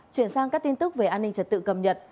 chuyển sang các tin tức về an ninh trật tự cập nhật